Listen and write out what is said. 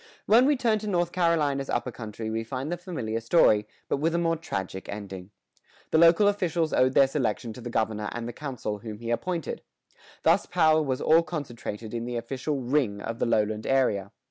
When we turn to North Carolina's upper country we find the familiar story, but with a more tragic ending. The local officials owed their selection to the governor and the council whom he appointed. Thus power was all concentrated in the official "ring" of the lowland area.